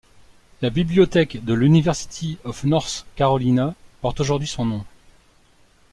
La bibliothèque de l’University of North Carolina porte aujourd’hui son nom.